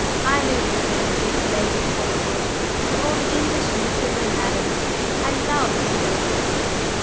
I leave such energy to Lady Fulkeward and to all the English misses and madams. I love indolence."